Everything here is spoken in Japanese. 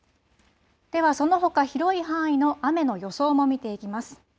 では、そのほか広い範囲の雨の予想も見ていきます。